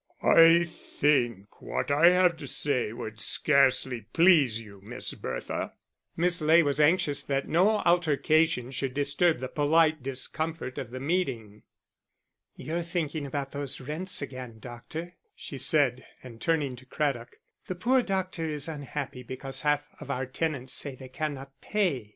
"I think what I have to say would scarcely please you, Miss Bertha." Miss Ley was anxious that no altercation should disturb the polite discomfort of the meeting. "You're thinking about those rents again, doctor," she said, and turning to Craddock: "The poor doctor is unhappy because half of our tenants say they cannot pay."